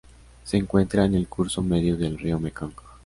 Se encuentra en el curso medio del río Mekong.